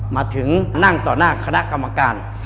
มาถึงนั่งต่อหน้าคณะกรรมการ